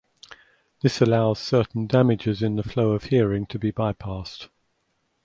This allows certain damages in the flow of hearing to be bypassed.